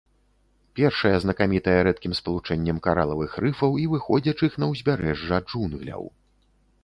Першая знакамітая рэдкім спалучэннем каралавых рыфаў і выходзячых на ўзбярэжжа джунгляў.